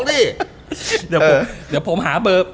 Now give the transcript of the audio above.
เดี่ยวผมหาเปิดต่อ